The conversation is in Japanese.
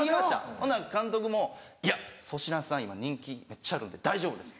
ほんなら監督も「いや粗品さん今人気めっちゃあるんで大丈夫です。